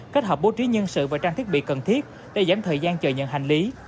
kết hợp bố trí nhân sự và trang thiết bị cần thiết để giảm thời gian chờ nhận hành lý